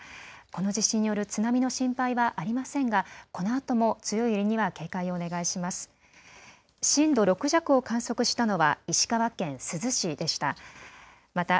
この地震による津波の心配はありませんがこのあとも強い揺れには警戒をお願いします。